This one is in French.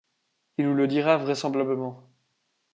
Il nous le dira vraisemblablement.